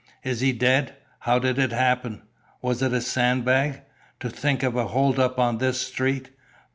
"Is he dead?" "How did it happen?" "Was it a sandbag?" "To think of a holdup on this street!"